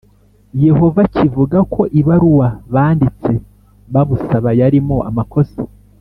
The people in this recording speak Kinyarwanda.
Yehova kivuga ko ibaruwa banditse babusaba yarimo amakosa